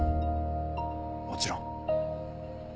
もちろん。